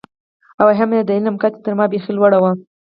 او هم یې د علم کچه تر ما بېخي لوړه وه.